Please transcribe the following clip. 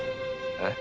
えっ？